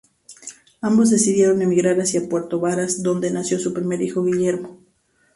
Ambos decidieron emigrar hacia Puerto Varas donde nació su primer hijo, Guillermo.